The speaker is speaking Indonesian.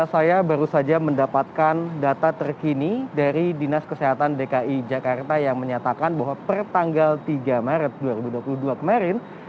saya baru saja mendapatkan data terkini dari dinas kesehatan dki jakarta yang menyatakan bahwa per tanggal tiga maret dua ribu dua puluh dua kemarin